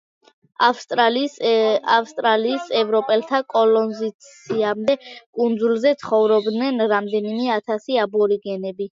ავსტრალიის ევროპელთა კოლონიზაციამდე კუნძულზე ცხოვრობდნენ რამდენიმე ათასი აბორიგენები.